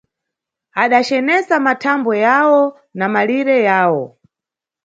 Adacenesa mathambwe yawo na malire yayo.